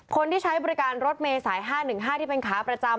คนที่ใช้บริการรถเมย์สาย๕๑๕ที่เป็นขาประจำ